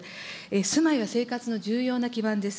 住まいは生活の重要な基盤です。